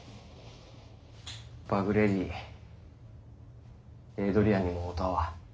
バグレディエイドリアンにも会うたわ。